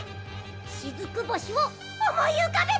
しずく星をおもいうかべて！